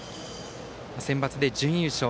センバツで準優勝。